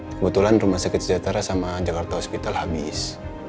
kebetulan rumah sakit sejahtera sama jakarta hospital habis